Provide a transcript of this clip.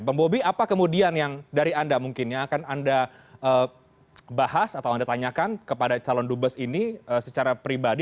bang bobi apa kemudian yang dari anda mungkin yang akan anda bahas atau anda tanyakan kepada calon dubes ini secara pribadi